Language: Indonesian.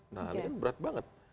nah ini kan berat banget